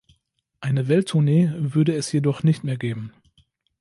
Eine Welttournee würde es jedoch nicht mehr geben.